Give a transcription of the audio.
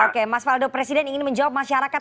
oke mas faldo presiden ingin menjawab masyarakat